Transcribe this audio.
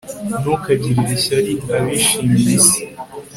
ntukagirire ishyari abishimira isi